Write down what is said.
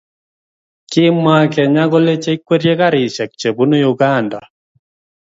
kimwa kenya kole chekwerie karishiek chebunu uganda